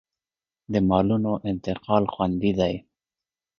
د مالونو انتقال خوندي دی